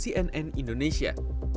tim liputan cnn indonesia